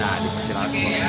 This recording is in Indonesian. nah di persidangan ini